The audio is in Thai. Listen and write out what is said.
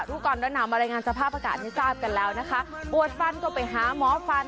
รู้ก่อนร้อนหนาวมารายงานสภาพอากาศให้ทราบกันแล้วนะคะปวดฟันก็ไปหาหมอฟัน